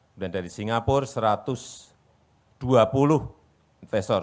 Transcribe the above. kemudian dari singapura satu ratus dua puluh investor